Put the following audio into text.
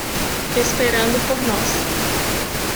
Esperando por nós